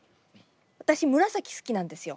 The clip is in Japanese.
私紫好きなんですよ。